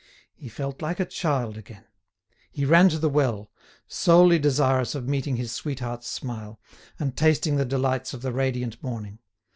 He felt like a child again. He ran to the well, solely desirous of meeting his sweetheart's smile, and tasting the delights of the radiant morning.